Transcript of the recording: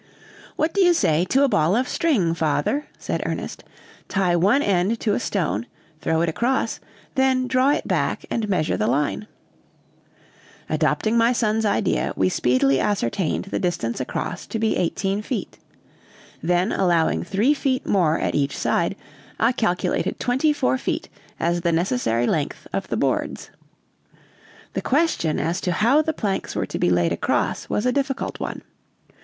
"What do you say to a ball of string, father?" said Ernest. "Tie one end to a stone, throw it across, then draw it back and measure the line!" Adopting my son's idea, we speedily ascertained the distance across to be eighteen feet. Then allowing three feet more at each side, I calculated twenty four feet as the necessary length of the boards. The question as to how the planks were to be laid across was a difficult one.